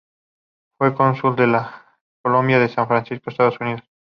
Fue cónsul de Colombia en San Francisco, Estados Unidos.